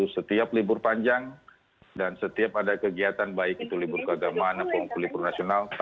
setiap libur panjang dan setiap ada kegiatan baik itu libur keagamaan libur nasional